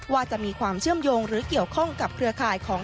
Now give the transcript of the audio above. ว่าจะมีความเชื่อมโยงหรือเกี่ยวข้องกับเครือข่ายของ